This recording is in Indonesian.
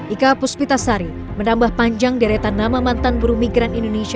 ika puspitasari menambah panjang deretan nama mantan buruh migran indonesia